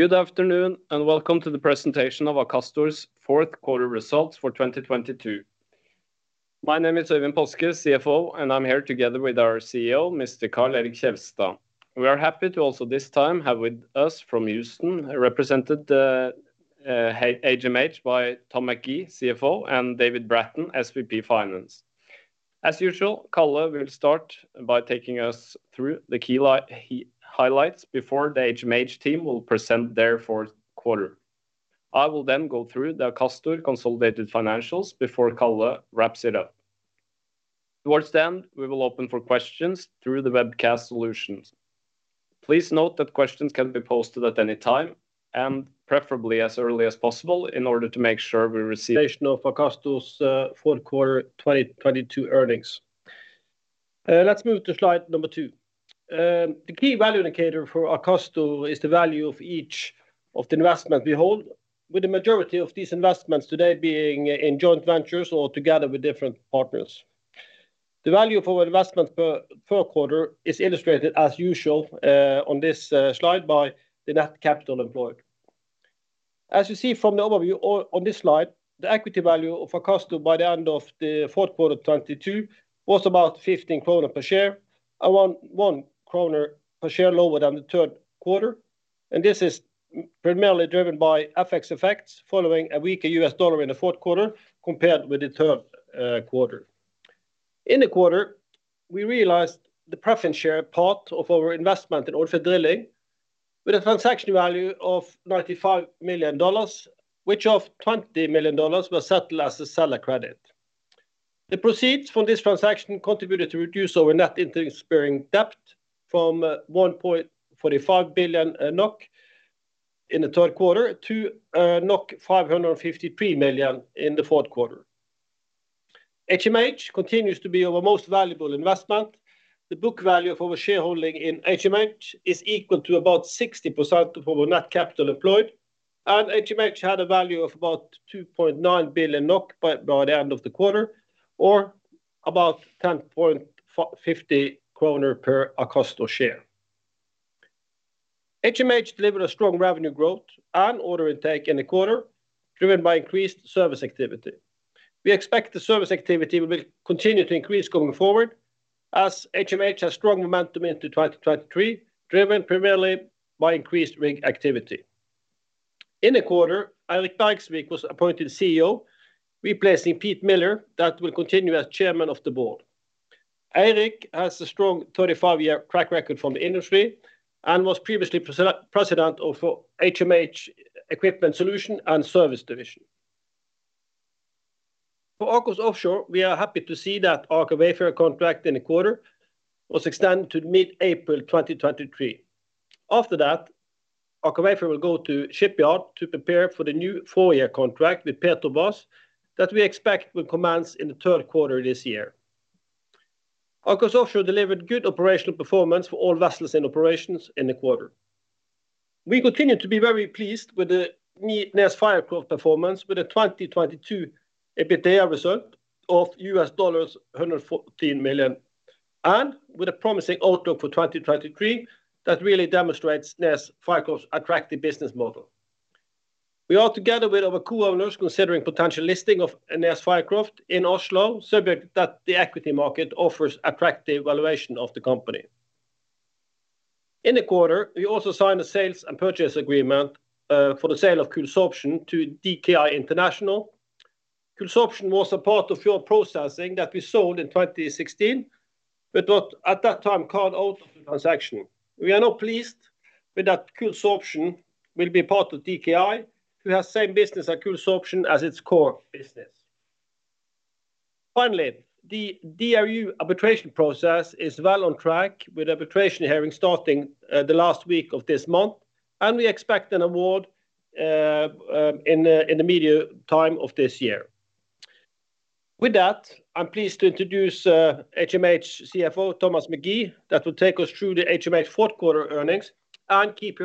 Good afternoon, and welcome to the presentation of Akastor's fourth quarter results for 2022. My name is Øyvind Paaske, CFO, and I'm here together with our CEO, Mr. Karl Erik Kjelstad. We are happy to also this time have with us from Houston, represented, HMH by Tom McGee, CFO, and David Bratton, SVP Finance. As usual, Karl will start by taking us through the highlights before the HMH team will present their fourth quarter. I will then go through the Akastor consolidated financials before Karl wraps it up. Towards the end, we will open for questions through the webcast solutions. Please note that questions can be posted at any time and preferably as early as possible in order to make sure we receive... Of Akastor's fourth quarter 2022 earnings. Let's move to slide number two. The key value indicator for Akastor is the value of each of the investment we hold, with the majority of these investments today being in joint ventures or together with different partners. The value of our investment per quarter is illustrated as usual on this slide by the net capital employed. As you see from the overview on this slide, the equity value of Akastor by the end of the fourth quarter 2022 was about 15 kroner per share, around 1 kroner per share lower than the third quarter. This is primarily driven by FX effects following a weaker U.S. dollar in the fourth quarter compared with the third quarter. In the quarter, we realized the preference share part of our investment in order for drilling with a transaction value of $95 million, which of $20 million was settled as a seller credit. The proceeds from this transaction contributed to reduce our net interest-bearing debt from 1.45 billion NOK in the third quarter to 553 million in the fourth quarter. HMH continues to be our most valuable investment. The book value of our shareholding in HMH is equal to about 60% of our net capital employed, and HMH had a value of about 2.9 billion NOK by the end of the quarter or about 10.50 kroner per Akastor share. HMH delivered a strong revenue growth and order intake in the quarter, driven by increased service activity. We expect the service activity will continue to increase going forward as HMH has strong momentum into 2023, driven primarily by increased rig activity. In the quarter, Eirik Bergsvik was appointed CEO, replacing Pete Miller, that will continue as Chairman of the Board. Eirik has a strong 35-year track record from the industry and was previously president of HMH Equipment and System Solutions. For AKOFS Offshore, we are happy to see that Aker Wayfarer contract in the quarter was extended to mid-April 2023. After that, Aker Wayfarer will go to shipyard to prepare for the new four-year contract with Petrobras that we expect will commence in the third quarter this year. AKOFS Offshore delivered good operational performance for all vessels and operations in the quarter. We continue to be very pleased with the NES Fircroft performance with a 2022 EBITDA result of $114 million, and with a promising outlook for 2023 that really demonstrates NES Fircroft's attractive business model. We are together with our co-owners considering potential listing of NES Fircroft in Oslo, subject that the equity market offers attractive valuation of the company. In the quarter, we also signed a sales and purchase agreement for the sale of Cool Sorption to DKI International. Cool Sorption was a part of Fjords Processing that we sold in 2016, but at that time called out of the transaction. We are now pleased with that Cool Sorption will be part of DKI, who has same business as Cool Sorption as its core business. Finally, the DRU arbitration process is well on track with arbitration hearing starting the last week of this month, and we expect an award in the media time of this year. With that, I'm pleased to introduce HMH CFO, Thomas McGee, that will take us through the HMH fourth quarter earnings and key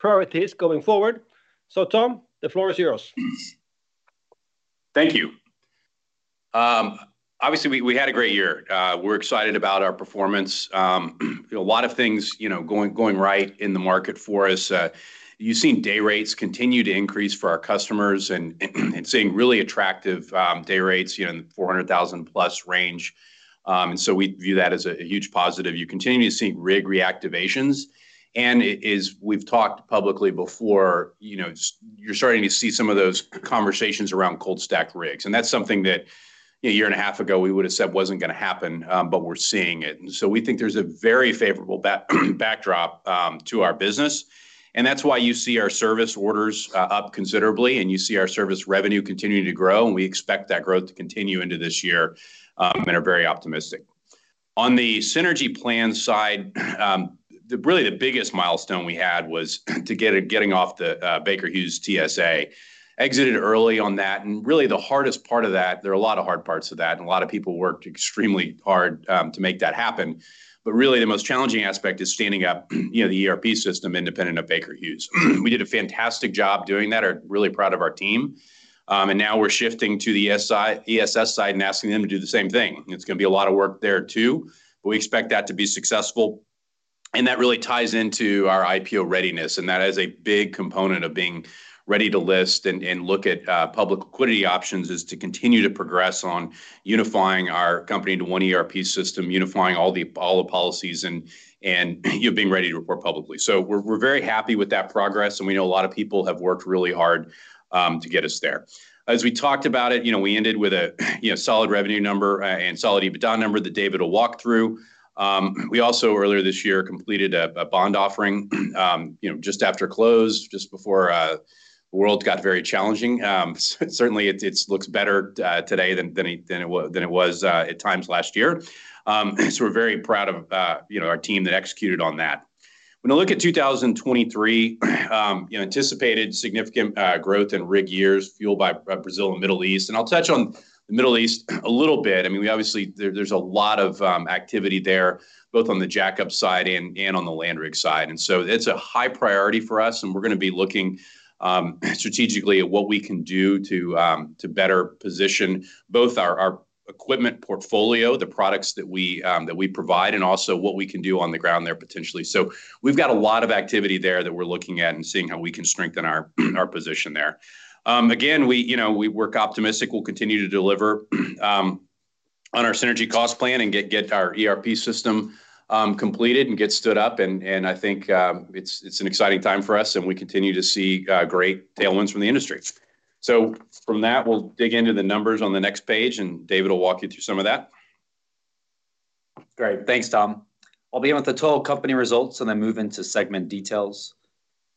priorities going forward. Tom, the floor is yours. Thank you. Obviously we had a great year. We're excited about our performance. You know, a lot of things, you know, going right in the market for us. You've seen day rates continue to increase for our customers and seeing really attractive day rates, you know, in the $400,000+ range. We view that as a huge positive. You continue to see rig reactivations. We've talked publicly before, you know, you're starting to see some of those conversations around cold stacked rigs, and that's something that, you know, a year and a half ago we would've said wasn't gonna happen, but we're seeing it. We think there's a very favorable backdrop to our business, and that's why you see our service orders up considerably, and you see our service revenue continuing to grow, and we expect that growth to continue into this year and are very optimistic. On the Synergy plan side, the really, the biggest milestone we had was to getting off the Baker Hughes TSA. Exited early on that, and really the hardest part of that, there are a lot of hard parts of that, and a lot of people worked extremely hard to make that happen. Really the most challenging aspect is standing up, you know, the ERP system independent of Baker Hughes. We did a fantastic job doing that, are really proud of our team. Now we're shifting to the SIIS side and asking them to do the same thing. It's gonna be a lot of work there too, but we expect that to be successful. That really ties into our IPO readiness, and that is a big component of being ready to list and look at public liquidity options is to continue to progress on unifying our company into one ERP system, unifying all the policies and you being ready to report publicly. We're very happy with that progress, and we know a lot of people have worked really hard to get us there. As we talked about it, you know, we ended with a, you know, solid revenue number and solid EBITDA number that David will walk through. We also earlier this year completed a bond offering, you know, just after close, just before the world got very challenging. Certainly it looks better today than it was at times last year. We're very proud of, you know, our team that executed on that. When I look at 2023, you know, anticipated significant growth in rig years fueled by Brazil and Middle East. I'll touch on the Middle East a little bit. I mean, we obviously there's a lot of activity there, both on the jackup side and on the land rig side. It's a high priority for us, and we're gonna be looking strategically at what we can do to better position both our equipment portfolio, the products that we provide, and also what we can do on the ground there potentially. We've got a lot of activity there that we're looking at and seeing how we can strengthen our position there. Again, we, you know, we work optimistic. We'll continue to deliver on our synergy cost plan and get our ERP system completed and get stood up, and I think it's an exciting time for us, and we continue to see great tailwinds from the industry. From that, we'll dig into the numbers on the next page, and David will walk you through some of that. Great. Thanks, Tom. I'll begin with the total company results and then move into segment details.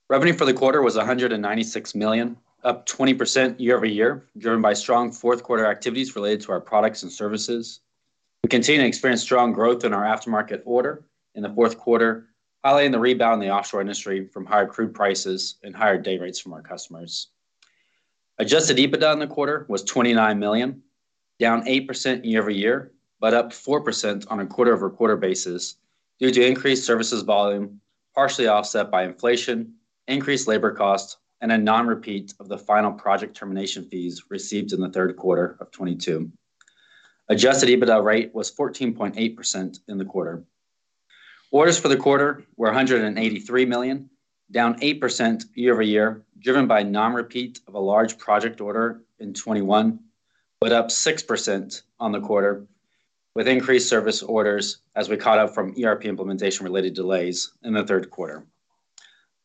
Revenue for the quarter was $196 million, up 20% year-over-year, driven by strong fourth quarter activities related to our products and services. We continue to experience strong growth in our aftermarket order in the fourth quarter, highlighting the rebound in the offshore industry from higher crude prices and higher day rates from our customers. Adjusted EBITDA in the quarter was $29 million, down 8% year-over-year, but up 4% on a quarter-over-quarter basis due to increased services volume, partially offset by inflation, increased labor costs, and a non-repeat of the final project termination fees received in the third quarter of 2022. Adjusted EBITDA rate was 14.8% in the quarter. Orders for the quarter were $183 million, down 8% year-over-year, driven by non-repeat of a large project order in 2021, but up 6% on the quarter with increased service orders as we caught up from ERP implementation-related delays in the third quarter.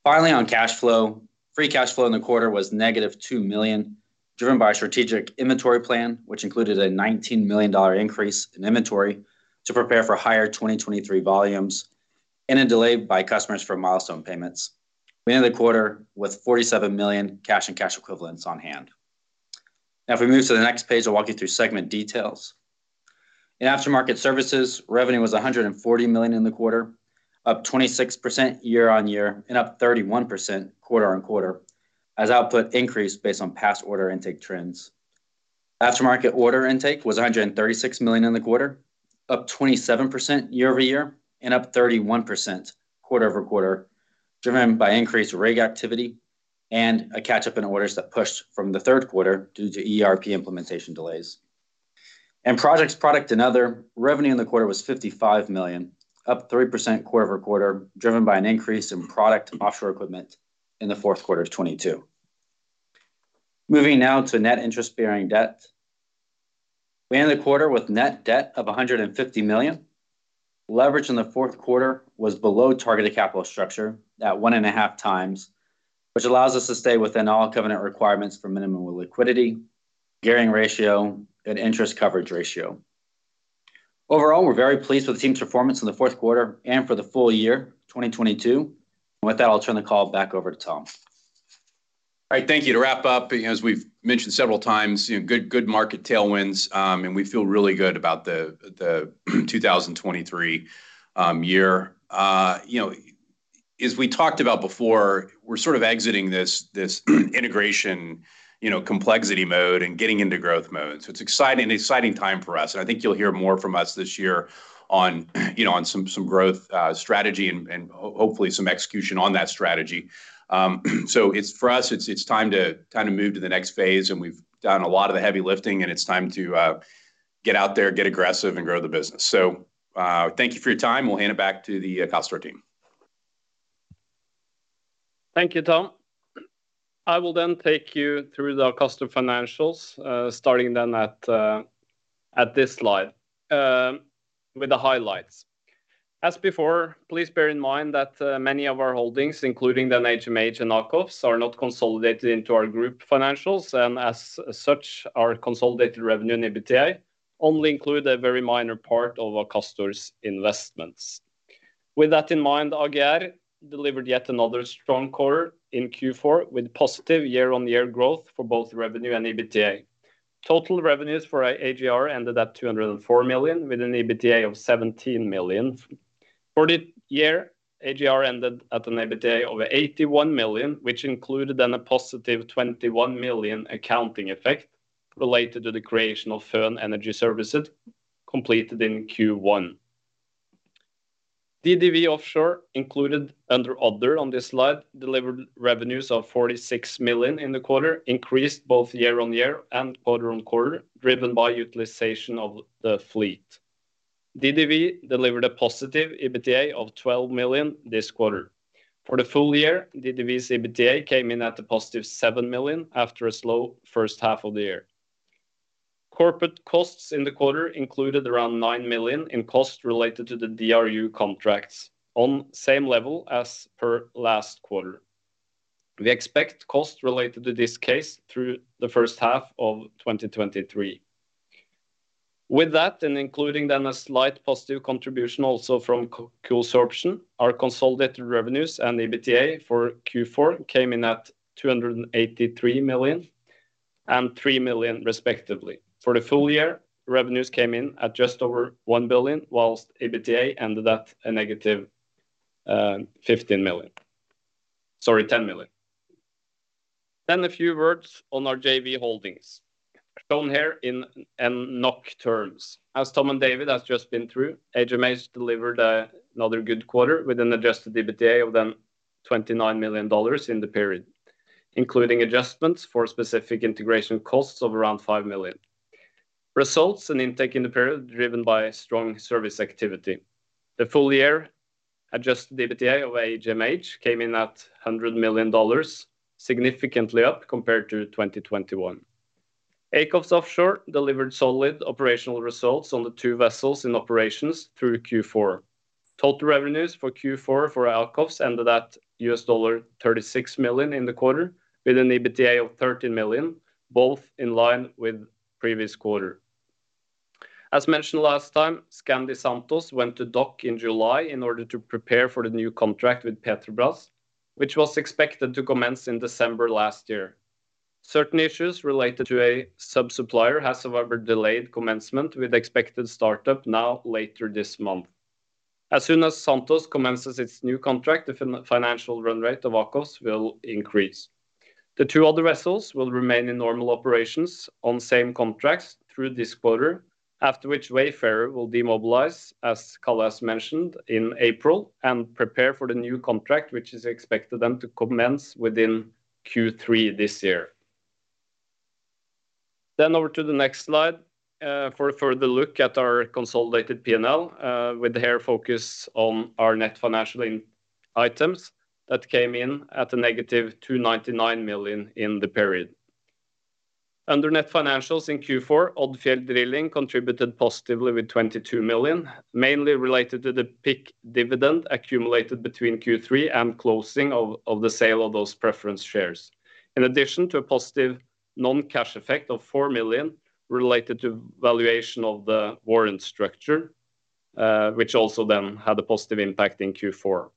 Finally, on cash flow, free cash flow in the quarter was negative $2 million, driven by a strategic inventory plan, which included a $19 million increase in inventory to prepare for higher 2023 volumes and a delay by customers for milestone payments. We ended the quarter with $47 million cash and cash equivalents on hand. Now if we move to the next page, I'll walk you through segment details. In aftermarket services, revenue was 140 million in the quarter, up 26% year-over-year and up 31% quarter-over-quarter as output increased based on past order intake trends. Aftermarket order intake was 136 million in the quarter, up 27% year-over-year and up 31% quarter-over-quarter, driven by increased rig activity and a catch-up in orders that pushed from the third quarter due to ERP implementation delays. In projects, product, and other, revenue in the quarter was 55 million, up 3% quarter-over-quarter, driven by an increase in product offshore equipment in the fourth quarter of 2022. Moving now to net interest-bearing debt. We ended the quarter with net debt of 150 million. Leverage in the fourth quarter was below targeted capital structure at 1.5x, which allows us to stay within all covenant requirements for minimum liquidity, gearing ratio, and interest coverage ratio. Overall, we're very pleased with the team's performance in the fourth quarter and for the full year 2022. With that, I'll turn the call back over to Tom. All right. Thank you. To wrap up, as we've mentioned several times, you know, good market tailwinds, and we feel really good about the 2023 year. You know, as we talked about before, we're sort of exiting this integration, you know, complexity mode and getting into growth mode. It's exciting time for us, and I think you'll hear more from us this year on, you know, on some growth strategy and hopefully some execution on that strategy. It's for us, it's time to kind of move to the next phase, and we've done a lot of the heavy lifting, and it's time to get out there, get aggressive, and grow the business. Thank you for your time. We'll hand it back to the Akastor team. Thank you, Tom. I will then take you through the customer financials, starting then at this slide, with the highlights. As before, please bear in mind that many of our holdings, including then HMH and AKOFS, are not consolidated into our group financials. As such, our consolidated revenue and EBITDA only include a very minor part of our customers' investments. With that in mind, AGR delivered yet another strong quarter in Q4 with positive year-on-year growth for both revenue and EBITDA. Total revenues for AGR ended at 204 million with an EBITDA of 17 million. For the year, AGR ended at an EBITDA of 81 million, which included then a positive 21 million accounting effect related to the creation of Fern Energy Services completed in Q1. DDW Offshore, included under other on this slide, delivered revenues of 46 million in the quarter, increased both year-on-year and quarter-on-quarter, driven by utilization of the fleet. DDW delivered a positive EBITDA of 12 million this quarter. For the full year, DDW's EBITDA came in at a positive 7 million after a slow first half of the year. Corporate costs in the quarter included around 9 million in costs related to the DRU contracts, on same level as per last quarter. We expect costs related to this case through the first half of 2023. Including then a slight positive contribution also from Cool Sorption, our consolidated revenues and EBITDA for Q4 came in at 283 million and 3 million respectively. For the full year, revenues came in at just over 1 billion, whilst EBITDA ended at a negative 15 million. Sorry, 10 million. A few words on our JV holdings, shown here in NOK terms. As Tom and David has just been through, HMH delivered another good quarter with an adjusted EBITDA of then $29 million in the period, including adjustments for specific integration costs of around $5 million. Results and intake in the period driven by strong service activity. The full year adjusted EBITDA of HMH came in at $100 million, significantly up compared to 2021. AKOFS Offshore delivered solid operational results on the two vessels in operations through Q4. Total revenues for Q4 for AKOFS ended at $36 million in the quarter, with an EBITDA of $13 million, both in line with previous quarter. As mentioned last time, Skandi Santos went to dock in July in order to prepare for the new contract with Petrobras, which was expected to commence in December last year. Certain issues related to a sub-supplier has, however, delayed commencement with expected startup now later this month. As soon as Santos commences its new contract, the financial run rate of AKOFS will increase. The two other vessels will remain in normal operations on same contracts through this quarter, after which Wayfarer will demobilize, as Karl mentioned, in April and prepare for the new contract, which is expected to commence within Q3 this year. Over to the next slide, for a further look at our consolidated P&L, with here focus on our net financial items that came in at a negative 299 million in the period. Under net financials in Q4, Odfjell Drilling contributed positively with 22 million, mainly related to the peak dividend accumulated between Q3 and closing of the sale of those preference shares. In addition to a positive non-cash effect of 4 million related to valuation of the warrant structure, which also then had a positive impact in Q4.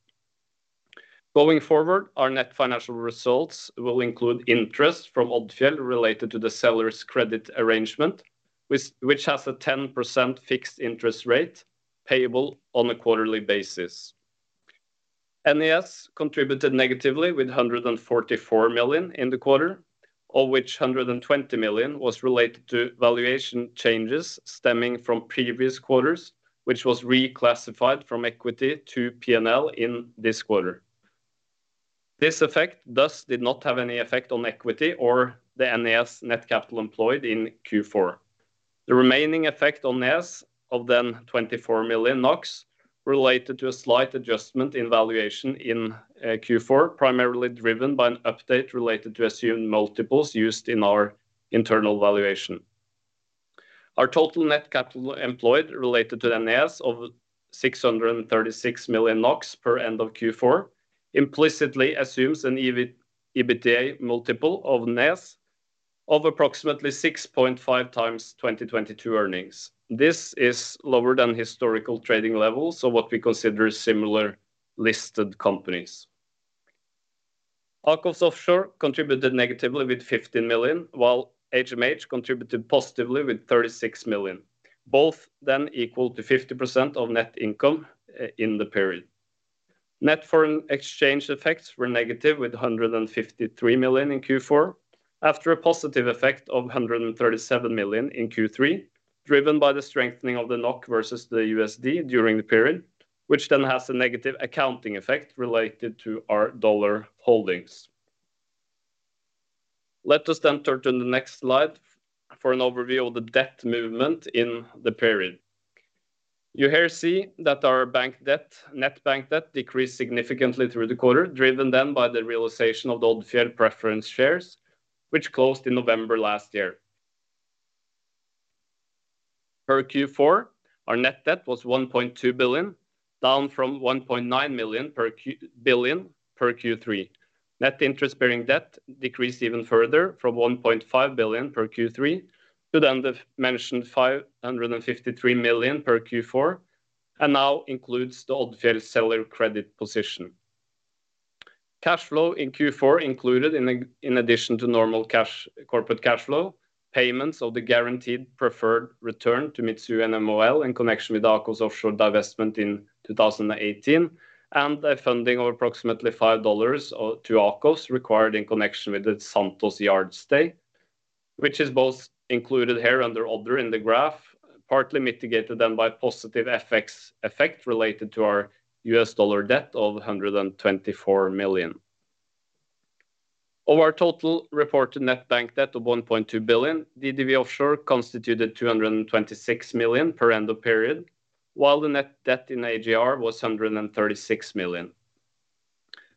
Going forward, our net financial results will include interest from Odfjell related to the seller's credit arrangement, which has a 10% fixed interest rate payable on a quarterly basis. NES contributed negatively with 144 million in the quarter, of which 120 million was related to valuation changes stemming from previous quarters, which was reclassified from equity to P&L in this quarter. This effect, thus, did not have any effect on equity or the NES net capital employed in Q4. The remaining effect on NES of then 24 million NOK related to a slight adjustment in valuation in Q4, primarily driven by an update related to assumed multiples used in our internal valuation. Our total net capital employed related to the NES of 636 million NOK per end of Q4 implicitly assumes an EBITDA multiple of NES of approximately 6.5x 2022 earnings. This is lower than historical trading levels, so what we consider similar listed companies. AKOFS Offshore contributed negatively with 15 million, while HMH contributed positively with 36 million, both then equal to 50% of net income in the period. Net foreign exchange effects were negative with 153 million in Q4 after a positive effect of 137 million in Q3, driven by the strengthening of the NOK versus the USD during the period, which then has a negative accounting effect related to our dollar holdings. Let us turn to the next slide for an overview of the debt movement in the period. You here see that our bank debt, net bank debt decreased significantly through the quarter, driven then by the realization of the Odfjell preference shares, which closed in November last year. Per Q4, our net debt was 1.2 billion, down from 1.9 billion per Q3. Net interest-bearing debt decreased even further from 1.5 billion per Q3 to then the mentioned 553 million per Q4, and now includes the Odfjell seller credit position. Cash flow in Q4 included in addition to normal cash, corporate cash flow, payments of the guaranteed preferred return to Mitsui and MOL in connection with the AKOFS Offshore divestment in 2018, and a funding of approximately $5 to AKOFS required in connection with the Santos yard stay, which is both included here under other in the graph, partly mitigated then by positive FX effect related to our US dollar debt of $124 million. Of our total reported net bank debt of 1.2 billion, DDW Offshore constituted 226 million per end of period, while the net debt in AGR was 136 million.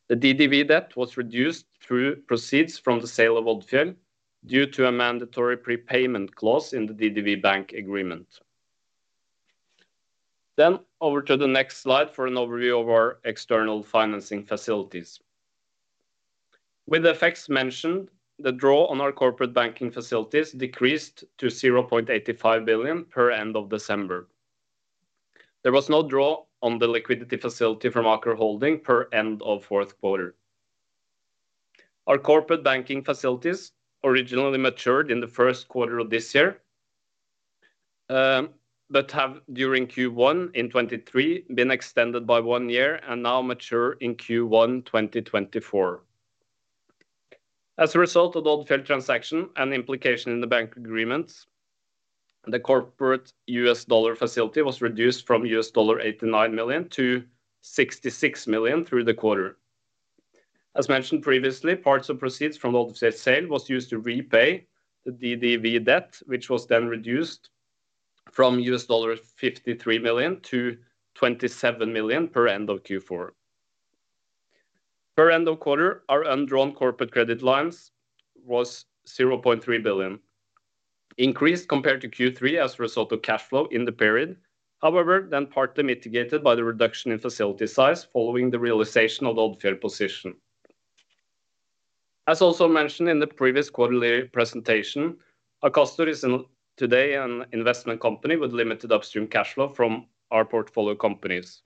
The DDW debt was reduced through proceeds from the sale of Odfjell due to a mandatory prepayment clause in the DDW bank agreement. Over to the next slide for an overview of our external financing facilities. With the effects mentioned, the draw on our corporate banking facilities decreased to 0.85 billion per end of December. There was no draw on the liquidity facility from Aker Holding per end of fourth quarter. Our corporate banking facilities originally matured in the first quarter of this year, but have during Q1 in 2023 been extended by one year and now mature in Q1 2024. As a result of the Odfjell transaction and implication in the bank agreement, the corporate US dollar facility was reduced from $89 million to $66 million through the quarter. As mentioned previously, parts of proceeds from Odfjell sale was used to repay the DDW debt, which was reduced from $53 million to $27 million per end of Q4. Per end of quarter, our undrawn corporate credit lines was 0.3 billion, increased compared to Q3 as a result of cash flow in the period. However, partly mitigated by the reduction in facility size following the realization of Odfjell position. As also mentioned in the previous quarterly presentation, Akastor today an investment company with limited upstream cash flow from our portfolio companies.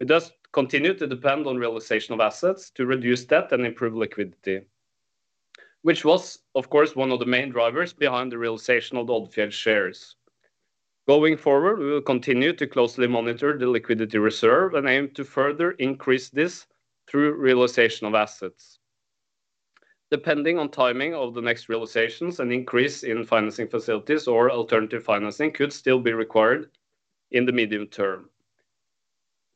It does continue to depend on realization of assets to reduce debt and improve liquidity, which was, of course, one of the main drivers behind the realization of Odfjell shares. Going forward, we will continue to closely monitor the liquidity reserve and aim to further increase this through realization of assets. Depending on timing of the next realizations, an increase in financing facilities or alternative financing could still be required in the medium term.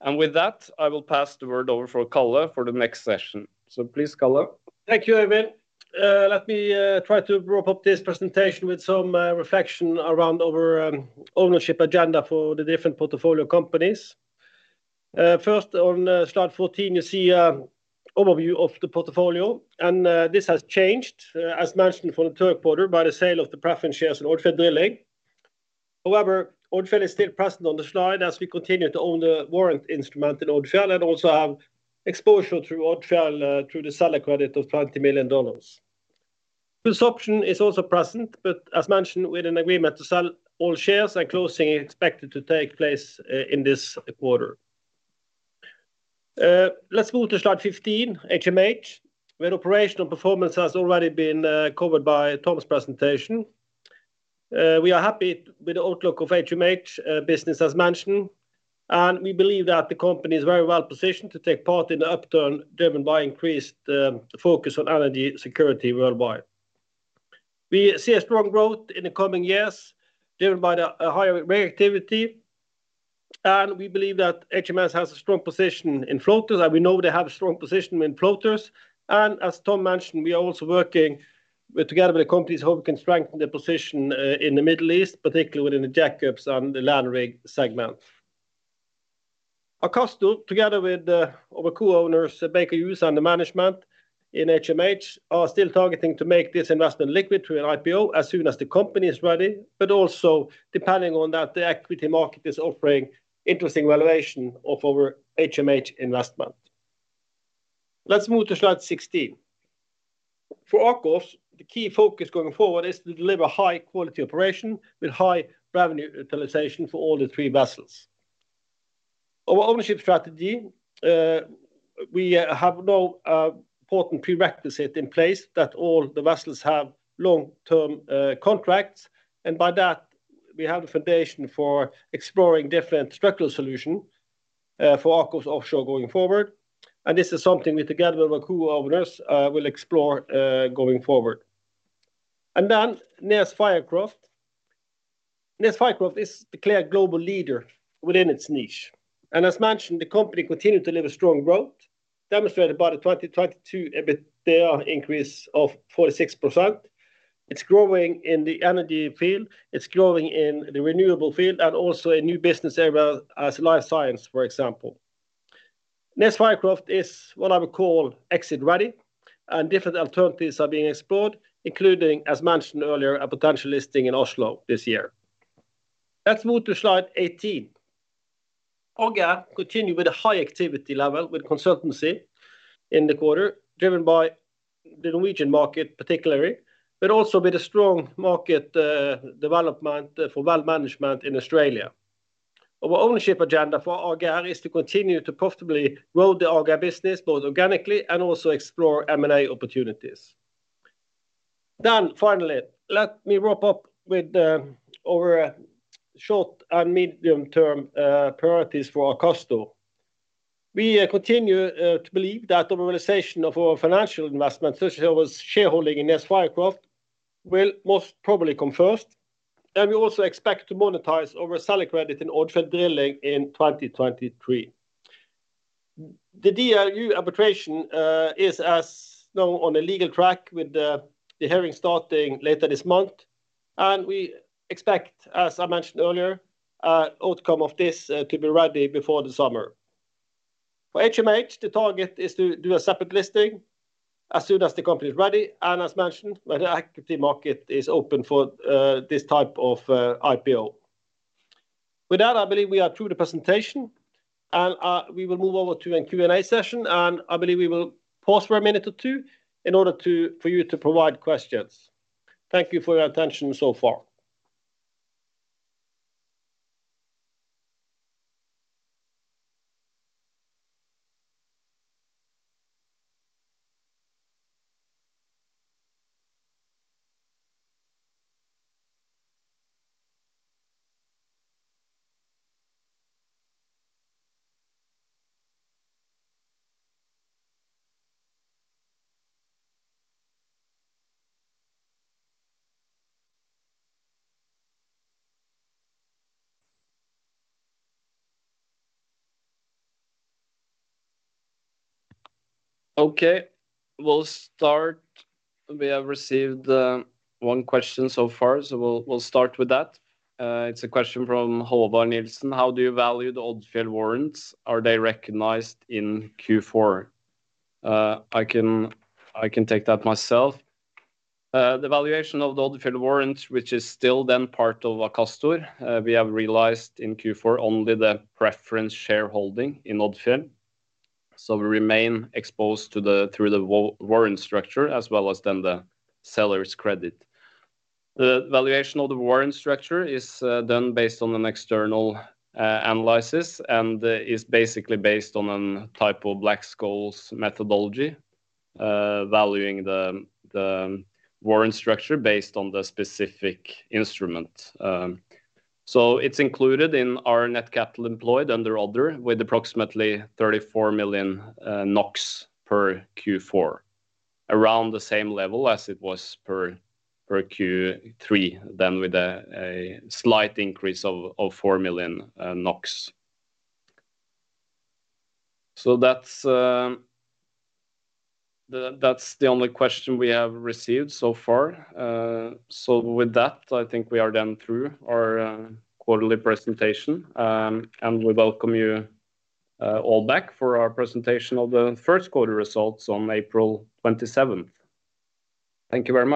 With that, I will pass the word over for Karl for the next session. Please, Karl. Thank you, Øyvind. Let me try to wrap up this presentation with some reflection around our ownership agenda for the different portfolio companies. First on slide 14, you see overview of the portfolio, this has changed as mentioned for the third quarter by the sale of the preference shares in Odfjell Drilling. However, Odfjell is still present on the slide as we continue to own the warrant instrument in Odfjell and also have exposure through Odfjell through the seller credit of $20 million. This option is also present, as mentioned, we're in agreement to sell all shares, and closing is expected to take place in this quarter. Let's move to slide 15, HMH, where operational performance has already been covered by Tom's presentation. We are happy with the outlook of HMH business as mentioned, and we believe that the company is very well positioned to take part in the upturn driven by increased focus on energy security worldwide. We see a strong growth in the coming years driven by the higher rig activity, and we believe that HMH has a strong position in floaters, and we know they have a strong position in floaters. As Tom mentioned, we are also working with, together with the companies, how we can strengthen the position in the Middle East, particularly within the jackups and the land rig segment. Akastor, together with our co-owners, Baker Hughes and the management in HMH, are still targeting to make this investment liquid through an IPO as soon as the company is ready, but also depending on that the equity market is offering interesting valuation of our HMH investment. Let's move to slide 16. For AKOFS, the key focus going forward is to deliver high-quality operation with high revenue utilization for all the three vessels. Our ownership strategy, we have now important prerequisite in place that all the vessels have long-term contracts, and by that, we have the foundation for exploring different structural solution for AKOFS Offshore going forward. This is something we, together with our co-owners, will explore going forward. NES Fircroft. NES Fircroft is the clear global leader within its niche. As mentioned, the company continued to deliver strong growth, demonstrated by the 2022 EBITDA increase of 46%. It's growing in the energy field, it's growing in the renewable field and also a new business area as life science, for example. NES Fircroft is what I would call exit-ready, and different alternatives are being explored, including, as mentioned earlier, a potential listing in Oslo this year. Let's move to slide 18. AGR continued with a high activity level with consultancy in the quarter, driven by the Norwegian market particularly, but also with a strong market development for well management in Australia. Our ownership agenda for AGR is to continue to profitably grow the AGR business, both organically and also explore M&A opportunities. Finally, let me wrap up with our short and medium-term priorities for Akastor. We continue to believe that the realization of our financial investment, such as our shareholding in NES Fircroft. Will most probably come first. We also expect to monetize our seller credit in Odfjell Drilling in 2023. The DLU arbitration is now on a legal track with the hearing starting later this month. We expect, as I mentioned earlier, an outcome of this to be ready before the summer. For HMH, the target is to do a separate listing as soon as the company is ready and as mentioned, when the equity market is open for this type of IPO. With that, I believe we are through the presentation and we will move over to a Q&A session, and I believe we will pause for a minute or two for you to provide questions. Thank you for your attention so far. Okay. We'll start. We have received one question so far. We'll start with that. It's a question from Håvard Nilsson: "How do you value the Odfjell Drilling warrants? Are they recognized in Q4?" I can take that myself. The valuation of the Odfjell Drilling warrants, which is still then part of Akastor, we have realized in Q4 only the preference shareholding in Odfjell Drilling. We remain exposed through the warrant structure as well as then the seller's credit. The valuation of the warrant structure is done based on an external analysis and is basically based on a type of Black-Scholes methodology, valuing the warrant structure based on the specific instrument. It's included in our net capital employed under other, with approximately 34 million NOK per Q4. Around the same level as it was per Q3, than with a slight increase of NOK 4 million. That's the only question we have received so far. With that, I think we are done through our quarterly presentation. We welcome you all back for our presentation of the first quarter results on April 27th. Thank you very much.